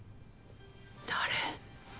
誰？